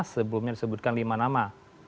sebelumnya disebutkan lima nama